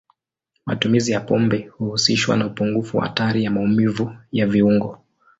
Matumizi ya pombe huhusishwa na upungufu wa hatari ya maumivu ya viungo.